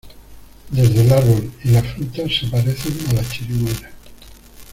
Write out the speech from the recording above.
Desde el árbol y la fruta se parecen a la chirimoya.